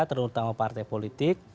terutama partai politik